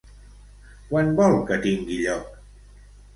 Quan vol que tingui lloc?